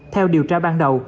theo điều tra ban đầu